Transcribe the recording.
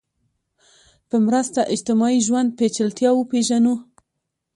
په مرسته اجتماعي ژوند پېچلتیا وپېژنو